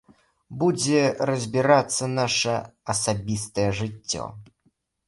Будзе разбірацца наша асабістае жыццё.